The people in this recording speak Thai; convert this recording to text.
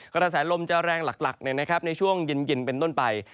กระแสลมจะแรงหลักในช่วงเย็นเป็นต้นไป